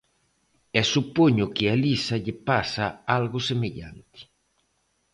E supoño que a Lisa lle pasa algo semellante.